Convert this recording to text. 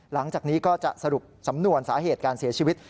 หลังจากนี้ก็จะสรุปสำนวนสาเหตุการเสียชีวิต